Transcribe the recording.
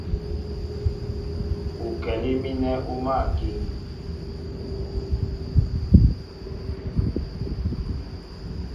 Ukɛlí mínɛ́ ú máál a kíŋ.